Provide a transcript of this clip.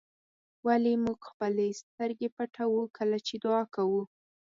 ولې موږ خپلې سترګې پټوو کله چې دعا کوو.